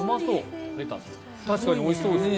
確かにおいしそうですね。